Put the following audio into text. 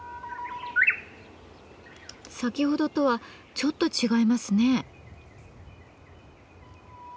先ほどとはちょっと違いますね。